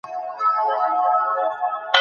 زه د افغانستان زوی يم